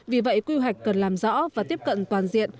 vì vậy quy hoạch cần làm rõ và tiếp cận toàn diện